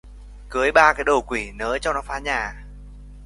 Cưới ba cái đồ quỷ nớ cho nó phá nhà